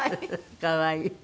可愛い。